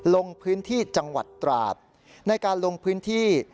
ลงพื้นที่จังหวัดตราดในการลงพื้นที่